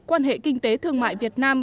quan hệ kinh tế thương mại việt nam